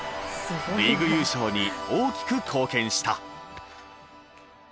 リーグ優勝に大きく貢献した。